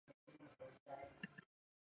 小学则位于爱丁堡皇家植物园北侧。